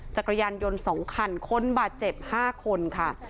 จักรยานยนต์๒คันคนบาดเจ็บ๕คนค่ะ